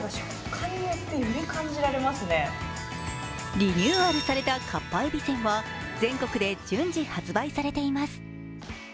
リニューアルされたかっぱえびせんは全国で順次発売されています。